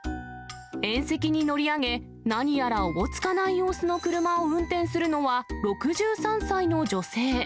縁石に乗り上げ、何やらおぼつかない様子の車を運転するのは、６３歳の女性。